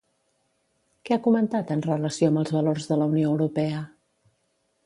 Què ha comentat en relació amb els valors de la Unió Europea?